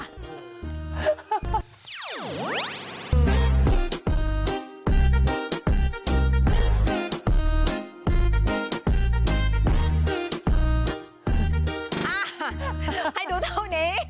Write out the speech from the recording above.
อ่ะให้ดูเท่านี้